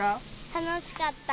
楽しかった。